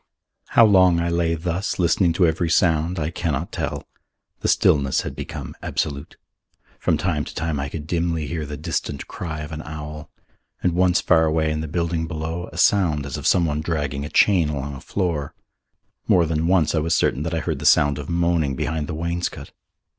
How long I lay thus listening to every sound, I cannot tell. The stillness had become absolute. From time to time I could dimly hear the distant cry of an owl, and once far away in the building below a sound as of some one dragging a chain along a floor. More than once I was certain that I heard the sound of moaning behind the wainscot.